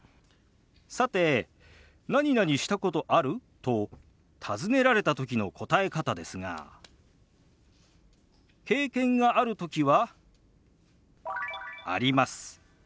さて「なになにしたことある？」と尋ねられた時の答え方ですが経験がある時は「あります」。